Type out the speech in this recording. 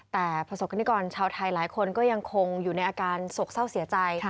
แต่ประสบกรณิกรชาวไทยหลายคนก็ยังคงอยู่ในอาการโศกเศร้าเสียใจ